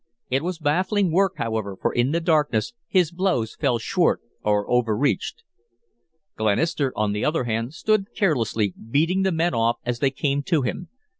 It was baffling work, however, for in the darkness his blows fell short or overreached. Glenister, on the other hand, stood carelessly, beating the men off as they came to him.